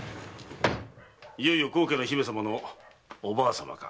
いよいよ高家の姫様のおばあさまか。